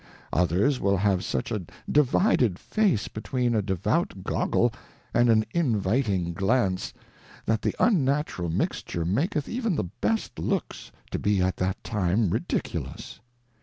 Others will ^ave such a Divided Face between a Devout Goggle and an Inviting Glance, that the unnatural Mixture maketh even the best Looks to be at that time ridiculous.